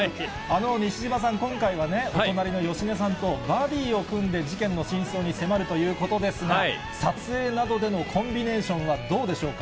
西島さん、今回はお隣の芳根さんとバディを組んで事件の真相に迫るということですが、撮影などでのコンビネーションはどうでしょうか？